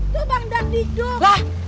tuh bang dag diduk